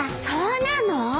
そうなの？